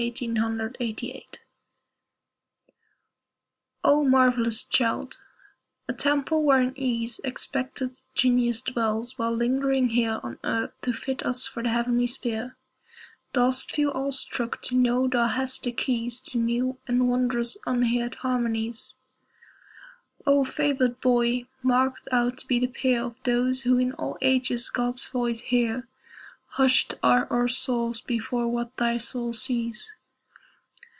_) O marvellous child, a temple where in ease Expectant Genius dwells, while lingering here On earth to fit us for the heavenly sphere, Dost feel awe struck to know thou hast the keys To new and wondrous unheard harmonies? O favored boy, marked out to be the peer Of those who in all ages God's voice hear, Hushed are our souls before what thy soul sees!